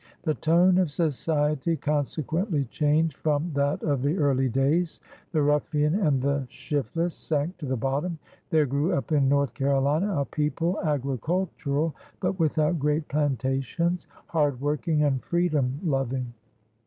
The tone of society consequently changed from that of the early days. The ruffian and the shiftless sank to the bottom. There grew up in North Carolina a people, agricultural but without great plantations, hard working and freedom loving.